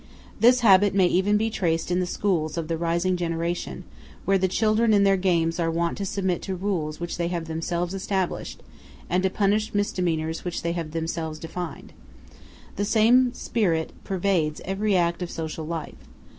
This habit may even be traced in the schools of the rising generation, where the children in their games are wont to submit to rules which they have themselves established, and to punish misdemeanors which they have themselves defined. The same spirit pervades every act of social life.